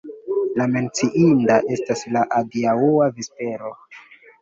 Menciinda estas la adiaŭa vespero.